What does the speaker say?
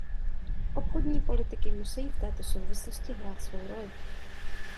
Obchodní politiky musejí v této souvislosti hrát svou roli.